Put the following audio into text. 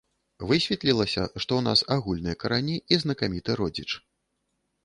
Высветлілася, што ў нас агульныя карані і знакаміты родзіч.